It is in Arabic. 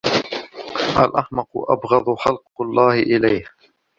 الْأَحْمَقُ أَبْغَضُ خَلْقِ اللَّهِ إلَيْهِ